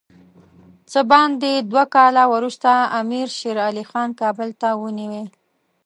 څه باندې دوه کاله وروسته امیر شېر علي خان کابل ونیوی.